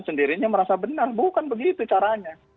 sendirinya merasa benar bukan begitu caranya